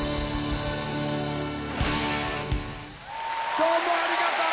どうもありがとう！